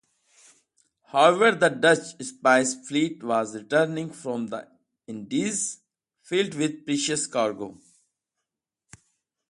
However the Dutch Spice Fleet was returning from the Indies, filled with precious cargo.